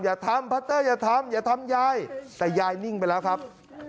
อย่าทำพัตเตอร์อย่าทำอย่าทำยายแต่ยายนิ่งไปแล้วครับ